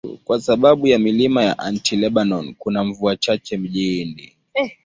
Kwa sababu ya milima ya Anti-Lebanon, kuna mvua chache mjini.